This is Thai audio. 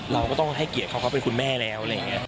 เราก็ต้องให้เขียนเขาเขาเป็นคุณแม่แล้ว